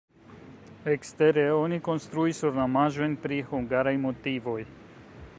Ekstere oni konstruis ornamaĵojn pri hungaraj motivoj.